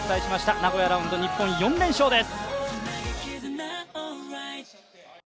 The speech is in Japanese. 名古屋ラウンド、日本４連勝です。